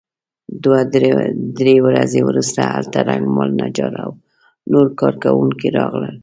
دوه درې ورځې وروسته هلته رنګمال نجار او نور کار کوونکي راغلل.